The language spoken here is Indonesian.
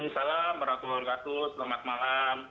salam ratu ratu selamat malam